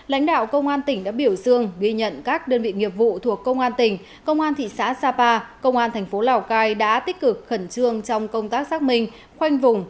lãnh đạo công an tỉnh đã biểu dương ghi nhận các đơn vị nghiệp vụ thuộc công an tỉnh công an thị xã sapa công an thành phố lào cai đã tích cực khẩn trương trong công tác xác minh khoanh vùng